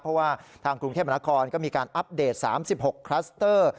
เพราะว่าทางกรุงเทพมนาคมก็มีการอัปเดต๓๖คลัสเตอร์